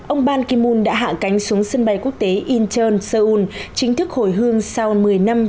ông ban kimon đã hạ cánh xuống sân bay quốc tế incheon seoul chính thức hồi hương sau một mươi năm